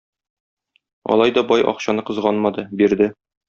Алай да бай акчаны кызганмады, бирде.